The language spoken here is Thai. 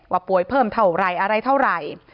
ว่าป่วยเพิ่มเท่าไรอะไรเท่าไร